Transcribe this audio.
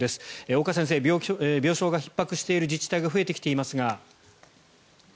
岡先生、病床がひっ迫している自治体が増えてきていますが。